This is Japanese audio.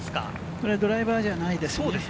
これ、ドライバーじゃないですね。